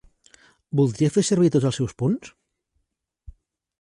Voldria fer servir tots els seus punts?